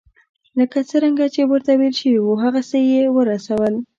لکه څرنګه چې ورته ویل شوي وو هغسې یې ورسول.